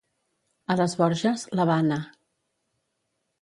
A les Borges, l'Havana.